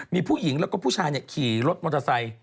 มีผู้หญิงแล้วก็ผู้ชายขี่รถมอเตอร์ไซค์